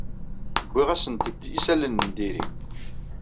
Wwiɣ-asent-d isalan n diri.